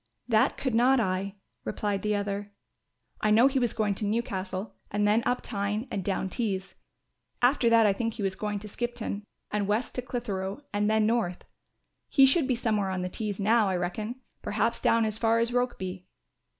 "That could not I," replied the other. "I know he was going to Newcastle and then up Tyne and down Tees; after that I think he was going to Skipton and West to Clitheroe and then North. He should be somewhere on the Tees now, I reckon, perhaps down as far as Rokeby."